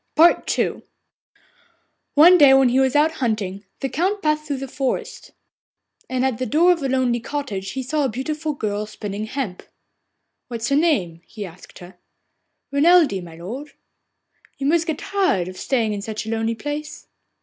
II One day when he was out hunting the Count passed through a forest, and at the door of a lonely cottage he saw a beautiful girl spinning hemp. 'What is your name?' he asked her. 'Renelde, my lord.' 'You must get tired of staying in such a lonely place?